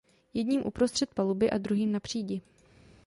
Jedním uprostřed paluby a druhým na přídi.